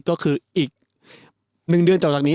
ก็คืออีก๑เดือนต่อจากนี้